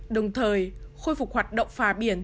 đồng thời khôi phục hoạt động phà biển